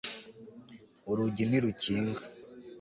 urugi ntirukinga